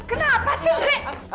kenapa sih ndre